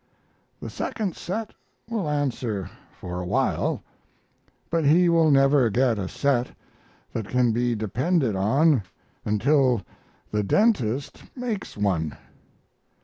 The second set will answer for a while; but he will never get a set that can be depended on until the dentist makes one.